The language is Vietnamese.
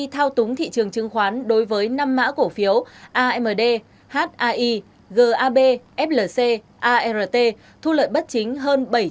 thao túng thị trường chứng khoán đối với năm mã cổ phiếu amd hai gab flc art thu lợi bất chính hơn bảy trăm hai mươi ba tỷ đồng